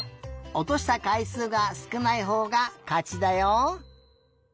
おとしたかいすうがすくないほうがかちだよ。